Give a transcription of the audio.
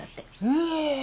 へえ。